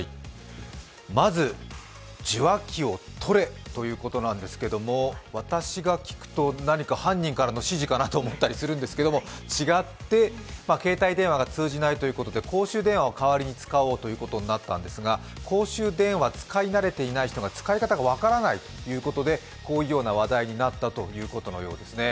「まず受話器を取れ」ということなんですけれども私が聞くと何か犯人からの指示かなと思ったりするんですけど、違って、携帯電話が通じないということで公衆電話を代わりに使おうということになったんですが公衆電話、使い慣れていない方が使い方が分からないということでこういうような話題になったということのようです。